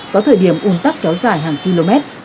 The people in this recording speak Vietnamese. có thời điểm ủn thắc kéo dài hàng km